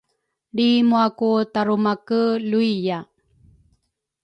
Lri mua ku Tarumake luiya